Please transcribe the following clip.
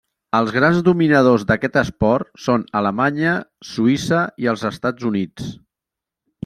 Els grans dominadors d'aquest esport són Alemanya, Suïssa i els Estats Units.